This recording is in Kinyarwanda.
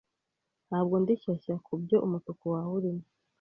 Ntabwo ndi shyashya kubyo Umutuku wawe urimo